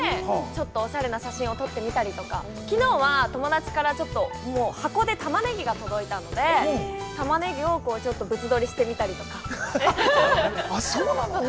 ちょっとおしゃれな写真撮ってみたりとか、きのうは、友達から箱でタマネギが届いたのでタマネギをちょっと物撮りしてみたりとか。◆そうなの？